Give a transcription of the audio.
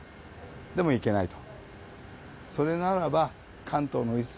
でも行けないと。